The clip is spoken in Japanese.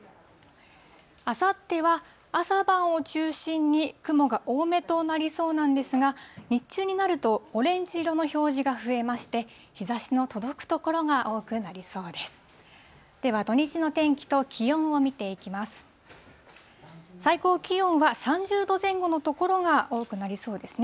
あさっては朝晩を中心に、雲が多めとなりそうなんですが、日中になると、オレンジ色の表示が増えまして、日ざしの届く所が多くなりそうです。